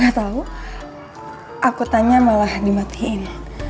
gak tahu aku tanya malah dimatiin